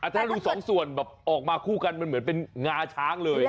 ถ้าดูสองส่วนแบบออกมาคู่กันมันเหมือนเป็นงาช้างเลย